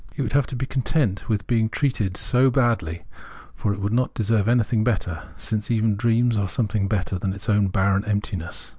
It 140 Phenomenology of Mind would have to be content with being treated so badly, for it would not deserve anything better, since even dreams are something better than its own barren emptiness.